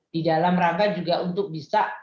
di dalam rangka juga untuk bisa